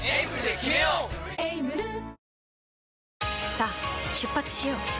さあ出発しよう。